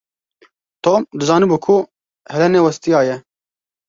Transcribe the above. Tom dizanibû ku Helenê westiyaye.